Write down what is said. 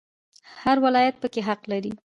هر ولایت پکې حق لري